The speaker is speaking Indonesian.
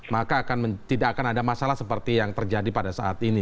maka tidak akan ada masalah seperti yang terjadi pada saat ini